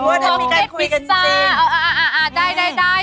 ว่าจะมีการคุยกันจริงพอกเก็ตพิซซ่าอ่าได้